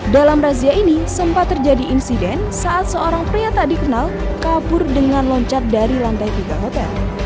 dalam razia ini sempat terjadi insiden saat seorang pria tak dikenal kabur dengan loncat dari lantai tiga hotel